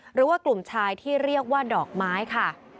หรือว่ากลุ่มชายที่เรียกว่าดอกไม้ค่ะ